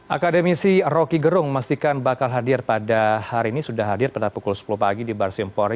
akademisi roky gerung memastikan bakal hadir pada hari ini sudah hadir pada pukul sepuluh pagi di barsimpori